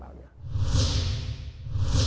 pada tahun ini